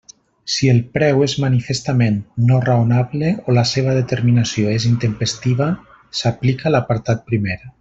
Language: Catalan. Si el preu és manifestament no raonable o la seva determinació és intempestiva, s'aplica l'apartat primer.